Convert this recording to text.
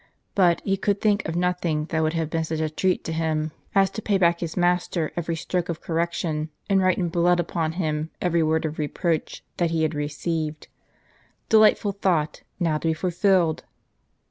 But he could think of nothing that would have been such a treat to him, as to pay back to his master every stroke of correction, and write in blood upon him every word of reproach that he had received. Delightful thought, now to be fulfilled